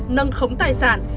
nâng khống tài sản